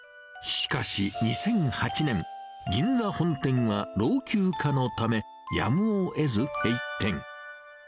しかし、２００８年、銀座本店は老朽化のため、やむをえず閉店。